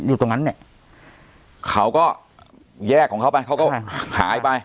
อยู่ตรงนั้นเนี่ยเขาก็แยกของเขาไปเขาก็หายไป